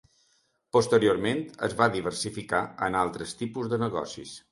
Posteriorment es va diversificar en altres tipus de negocis.